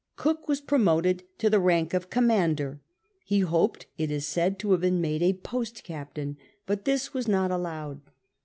Cook was promoted to the rank of commander. He hoped, it is said, to have been made a post captain, but this was not allowed.